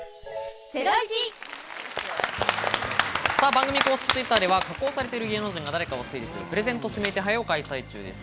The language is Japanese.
番組公式Ｔｗｉｔｔｅｒでは加工されている芸能人が誰かを推理するプレゼント指名手配を開催中です。